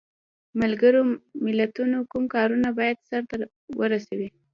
ملګرو ملتونو کوم کارونه باید سرته ورسوي؟